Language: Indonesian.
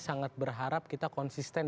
sangat berharap kita konsisten